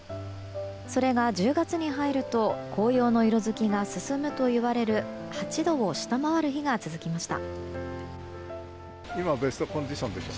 それが１０月に入ると紅葉の色づきが進むといわれる８度を下回る日が続きました。